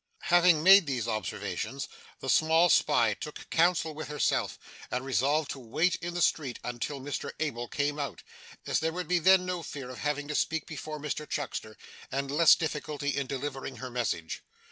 Having made these observations, the small spy took counsel with herself, and resolved to wait in the street until Mr Abel came out, as there would be then no fear of having to speak before Mr Chuckster, and less difficulty in delivering her message.